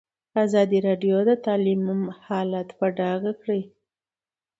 ازادي راډیو د تعلیم حالت په ډاګه کړی.